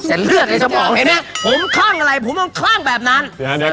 เลือดในสมองเห็นไหมผมคลั่งอะไรผมต้องคลั่งแบบนั้น